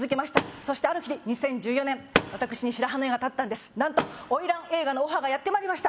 そしてある日２０１４年私に白羽の矢が立ったんです何と花魁映画のオファーがやってまいりました